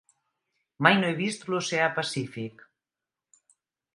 Mai no he vist l'Oceà Pacífic.